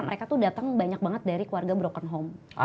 mereka tuh datang banyak banget dari keluarga broken home